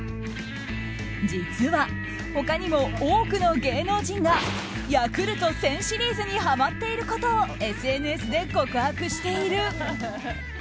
実は、他にも多くの芸能人がヤクルト１０００シリーズにハマっていることをＳＮＳで告白している。